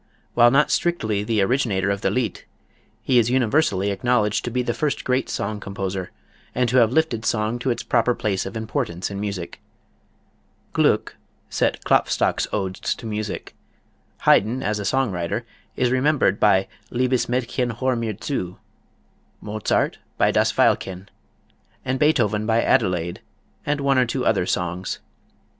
While not strictly the originator of the Lied, he is universally acknowledged to be the first great song composer and to have lifted song to its proper place of importance in music. Gluck set Klopfstock's odes to music; Haydn as a song writer is remembered by "Liebes Mädchen hör' mir Zu"; Mozart by "Das Veilchen"; and Beethoven by "Adelaide" and one or two other songs.